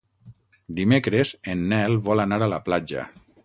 Dimecres en Nel vol anar a la platja.